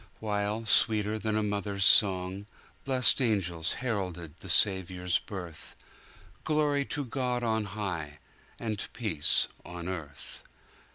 While, sweeter than a mother's song, Blest angels heralded the Saviour's birth, Glory to God on high! And peace on earth.